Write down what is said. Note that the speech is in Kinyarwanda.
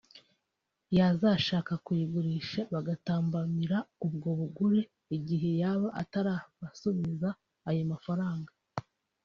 yazashaka kuyigurisha bagatambamira ubwo bugure igihe yaba atarabasubiza ayo amafaranga